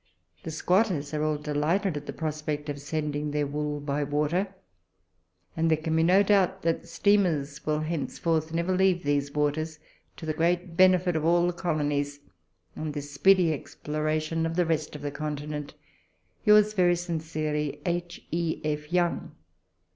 The squatters are all delighted at the pi'ospect of sending their wool Letters from Victorian Piowers. 143 by water ; and there can be no doubt that steamers will hence forth never leave these waters, to the great benefit of all the colonies, and the speedy exploration of the rest of the continent. Yours very sincerely, H. E. F. YOUNG.